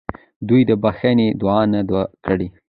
دوی د بخښنې دعا نه ده کړې.